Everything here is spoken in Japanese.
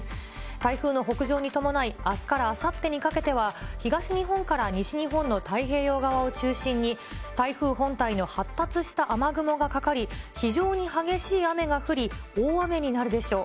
台風の北上に伴い、あすからあさってにかけては、東日本から西日本の太平洋側を中心に、台風本体の発達した雨雲がかかり、非常に激しい雨が降り、大雨になるでしょう。